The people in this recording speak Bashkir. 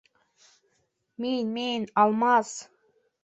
Мин-мин, Алмас!